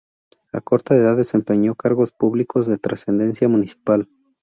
A corta edad desempeño cargos públicos de trascendencia municipal.